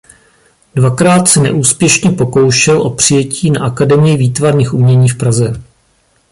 Dvakrát se neúspěšně pokoušel o přijetí na Akademii výtvarných umění v Praze.